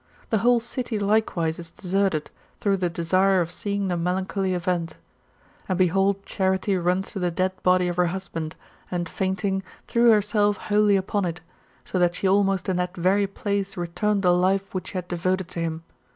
The whole city IS likewise deserted, through the desire of seeing [the melancholy event]. And behold Charite runs to the dead body of her husband, and fainting, threw herself wholly upon it ; so that she almost in that very place returned the life which she had devoted to him.